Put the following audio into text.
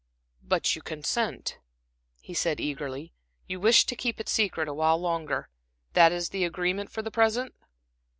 "But you consent," he said eagerly. "You wish to keep it secret, awhile longer? That is the agreement for the present?"